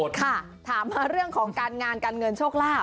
อย่างแรกเลยก็คือการทำบุญเกี่ยวกับเรื่องของพวกการเงินโชคลาภ